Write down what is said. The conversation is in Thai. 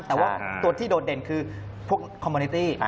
แต่ว่าตัวที่โดดเด่นคือพวกคอมมอนิตี้